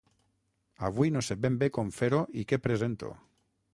Avui no sé ben bé com fer-ho i què presento….